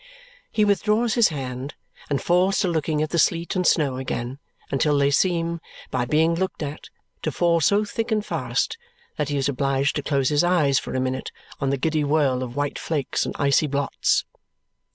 He withdraws his hand and falls to looking at the sleet and snow again until they seem, by being long looked at, to fall so thick and fast that he is obliged to close his eyes for a minute on the giddy whirl of white flakes and icy blots.